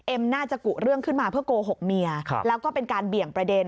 น่าจะกุเรื่องขึ้นมาเพื่อโกหกเมียแล้วก็เป็นการเบี่ยงประเด็น